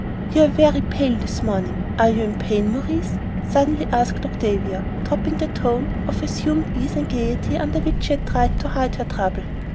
"You are very pale this morning; are you in pain, Maurice?" suddenly asked Octavia, dropping the tone of assumed ease and gaiety under which she had tried to hide her trouble.